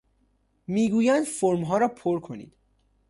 می گویند فرم ها را پر کنید.